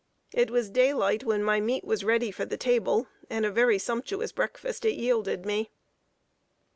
It was daylight when my meat was ready for the table, and a very sumptuous breakfast it yielded me.